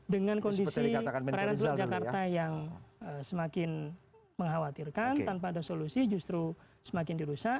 dengan kondisi perairan teluk jakarta yang semakin mengkhawatirkan tanpa ada solusi justru semakin dirusak